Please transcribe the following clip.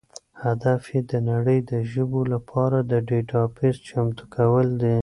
هدف یې د نړۍ د ژبو لپاره د ډیټابیس چمتو کول دي.